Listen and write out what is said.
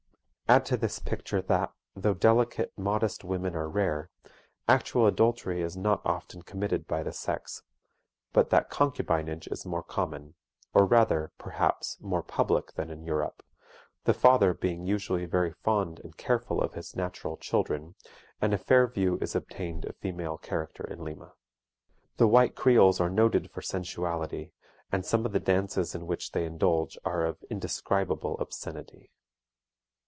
Add to this picture that, though delicate, modest women are rare, actual adultery is not often committed by the sex, but that concubinage is more common, or rather, perhaps, more public than in Europe, the father being usually very fond and careful of his natural children, and a fair view is obtained of female character in Lima. The white Creoles are noted for sensuality, and some of the dances in which they indulge are of indescribable obscenity.